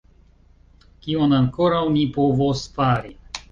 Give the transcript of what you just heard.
Kion ankoraŭ ni povos fari?